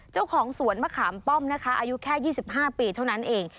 เจ้าของสวนมะขามป้อมนะคะอายุแค่๒๕ปีเท่านั้นเอง